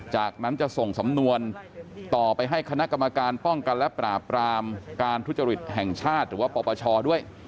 จากนั้นจะส่งสำนวนต่อไปให้คณะกรรมการป้องกันและปราบรามการทุจริตแห่งชาติหรือว่าปปชด้วย